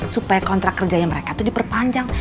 supaya kontrak kerjanya mereka itu diperpanjang